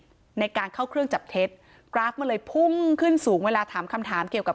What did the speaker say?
ในการเข้าเครื่องจับเท็จกราฟมันเลยพุ่งขึ้นสูงเวลาถามคำถามเกี่ยวกับ